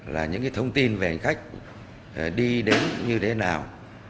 là những thông tin về hành khách đi đến như thế nào